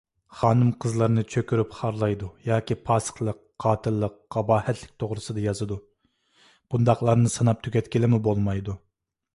خانىم - قىزلارنى چۆكۈرۈپ خارلايدۇ ياكى پاسىقلىق، قاتىللىق، قاباھەتلىك توغرىسىدا يازىدۇ، بۇنداقلارنى ساناپ تۈگەتكىلىمۇ بولمايدۇ.